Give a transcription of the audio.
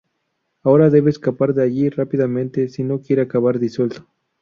Ahora debe escapar de allí rápidamente si no quiere acabar disuelto.